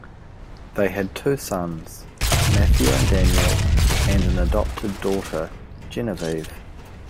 They had two sons, Matthew and Daniel, and an adopted daughter, Genevieve.